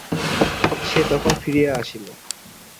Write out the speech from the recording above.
সে তখন ফিরিয়া আসিল।